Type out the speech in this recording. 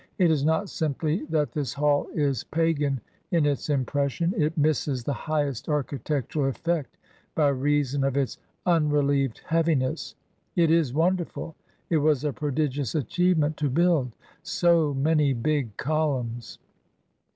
It is not simply that this hall is pagan in its impression ; it misses the highest architectural effect by reason of its unrelieved heavi ness. It is wonderful; it was a prodigious achievement to build so many big columns.